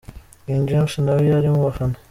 King James na we yari mu bafana.